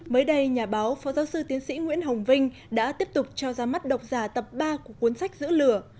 mới đây nhà báo phó giáo sư tiến sĩ nguyễn hồng vinh đã tiếp tục cho ra mắt độc giả tập ba của cuốn sách giữ lửa